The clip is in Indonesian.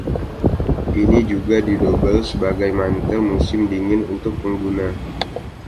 Ini juga di dobel sebagai mantel musim dingin untuk pengguna.